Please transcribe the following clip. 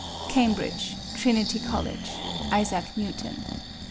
Cambridge, Trinity College, ISAAC NEWTON.